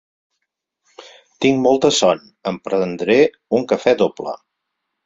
Tinc molta son: em prendré un cafè doble.